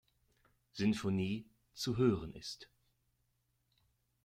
Sinfonie zu hören ist.